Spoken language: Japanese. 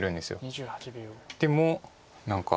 でも何か。